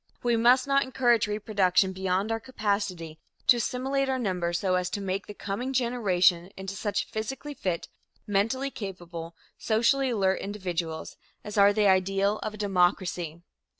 We must not encourage reproduction beyond our capacity to assimilate our numbers so as to make the coming generation into such physically fit, mentally capable, socially alert individuals as are the ideal of a democracy.